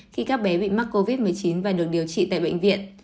khi các bé bị mắc covid một mươi chín và được điều trị tại bệnh viện